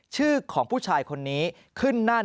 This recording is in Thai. ชื่อของผู้ชายคนนี้ขึ้นนั่น